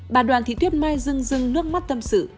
bà đoàn thị tuyết mai dưng dưng nước mắt tâm sự